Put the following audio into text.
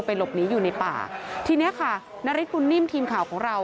หลบหนีอยู่ในป่าทีเนี้ยค่ะนาริสบุญนิ่มทีมข่าวของเรา